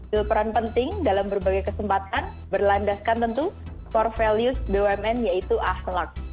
itu peran penting dalam berbagai kesempatan berlandaskan tentu for values bumn yaitu ahlak